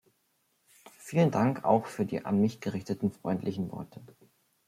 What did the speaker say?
Vielen Dank auch für die an mich gerichteten freundlichen Worte.